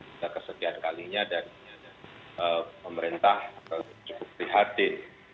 sudah kesekian kalinya dan pemerintah cukup prihatin